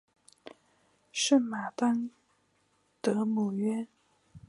圣马丹德姆约。